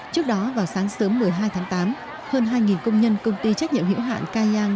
trước đó vào sáng sớm một mươi hai tháng tám hơn hai công nhân công ty trách nhiệm hữu hạn cai giang